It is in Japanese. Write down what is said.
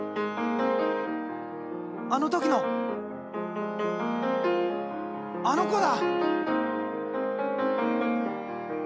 あの時のあの子だ！